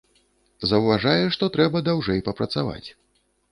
Заўважае, што трэба даўжэй папрацаваць.